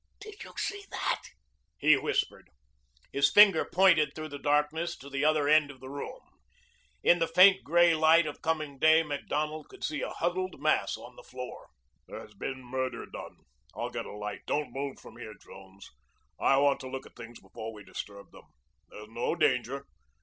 "Did you see that?" he whispered. His finger pointed through the darkness to the other end of the room. In the faint gray light of coming day Macdonald could see a huddled mass on the floor. "There has been murder done. I'll get a light. Don't move from here, Jones. I want to look at things before we disturb them. There's no danger.